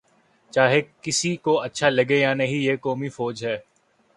چاہے کسی کو اچھا لگے یا نہیں، یہ قومی فوج ہے۔